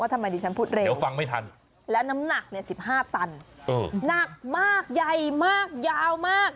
ว่าทำไมดิฉันพูดเร็วและน้ำหนัก๑๕ตันหนักมากใหญ่มากยาวมาก